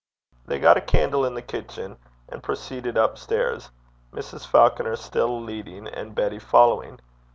They got a candle in the kitchen and proceeded up stairs, Mrs. Falconer still leading, and Betty following.